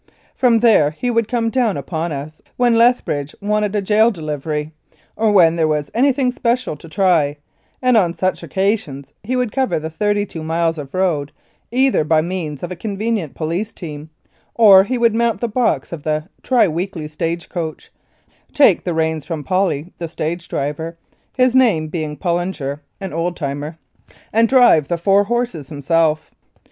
From there he would come down upon us when Lethbridge wanted a gaol delivery, or when there was anything special to try, and on such occasions he would cover the thirty two miles of road either by means of a convenient police team or he would mount the box of the tri weekly stage coach, take the reins from "Polly," the stage driver (his name being Pollinger, an old timer), and drive the four horses himself.